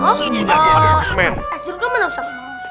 es jeruknya mana ustadz